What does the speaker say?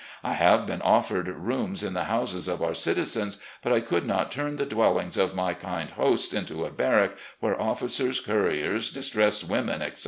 I have been offered rooms in the houses of our citizens, but I could not turn the dwellings of my kind hosts into a barrack where officers, coiuiers, distressed women, etc.